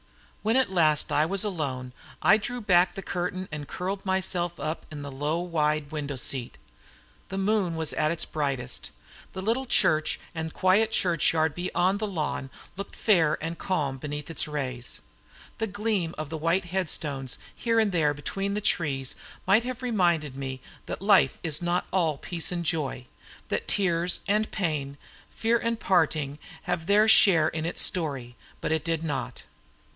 When at last I was alone I drew back the curtain and curled myself up on the low wide window seat. The moon was at its brightest; the little church and quiet churchyard beyond the lawn looked fair and calm beneath its rays; the gleam of the white headstones here and there between the trees might have reminded me that life is not all peace and joy that tears and pain, fear and parting, have their share in its story but it did not.